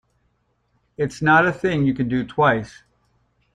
It's not a thing you can do twice.